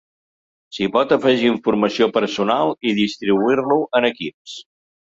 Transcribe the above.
S'hi pot afegir informació personal i distribuir-lo en equips.